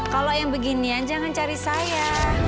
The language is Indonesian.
kalau yang beginian jangan cari saya